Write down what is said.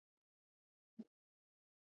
د دسترخوان آداب باید مراعات کړو.